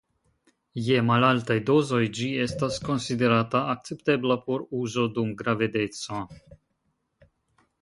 Je malaltaj dozoj ĝi estas konsiderata akceptebla por uzo dum gravedeco.